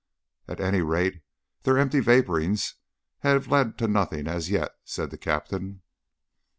"At any rate their empty vapourings have led to nothing as yet," said the Captain.